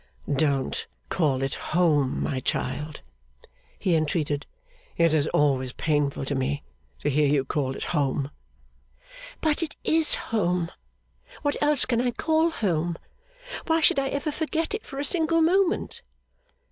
'Don't call it home, my child!' he entreated. 'It is always painful to me to hear you call it home.' 'But it is home! What else can I call home? Why should I ever forget it for a single moment?